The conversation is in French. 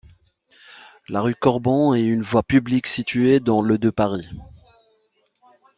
La rue Corbon est une voie publique située dans le de Paris.